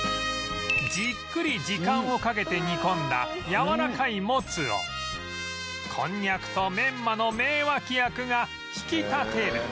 じっくり時間をかけて煮込んだやわらかいもつをこんにゃくとメンマの名脇役が引き立てる